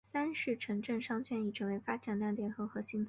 三是城镇商圈已经成为发展亮点和核心增长极。